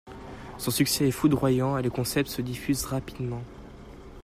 Son succès est foudroyant et le concept se diffuse rapidement.